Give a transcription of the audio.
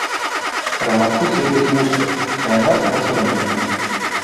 Раматус яе змучыў, а яна змучыла мяне.